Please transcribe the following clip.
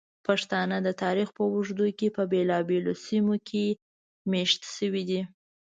پښتانه د تاریخ په اوږدو کې په بېلابېلو سیمو کې میشت شوي دي.